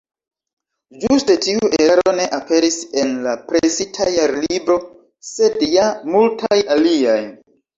Ĝuste tiu eraro ne aperis en la presita Jarlibro, sed ja multaj aliaj.